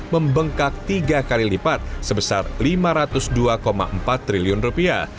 membengkak tiga kali lipat sebesar lima ratus dua empat triliun rupiah